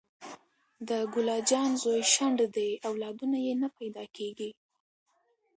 د ګل اجان زوی شنډ دې اولادونه یي نه پیداکیږي